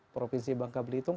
provinsi bangka belitung